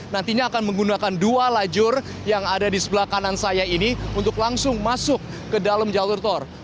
nantinya akan menggunakan dua lajur yang ada di sebelah kanan saya ini untuk langsung masuk ke dalam jalur tol